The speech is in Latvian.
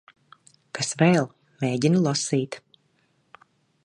Kas vēl? Mēģinu lasīt.